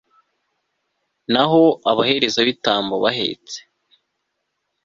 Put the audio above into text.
naho abaherezabitambo bahetse